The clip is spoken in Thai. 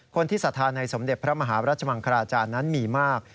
คนที่สาธารณ์ในสมเด็จพระมหาราชมังคลาอาจารย์นั้นมีมาก